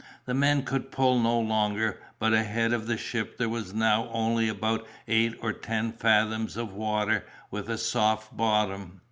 The men could pull no longer, but ahead of the ship there was now only about eight or ten fathoms of water, with a soft bottom.